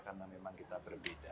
karena memang kita berbeda